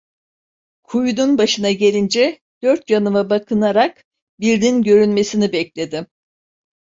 Kuyunun başına gelince dört yanıma bakınarak birinin görünmesini bekledim.